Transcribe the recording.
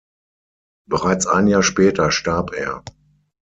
Bereits ein Jahr später starb er.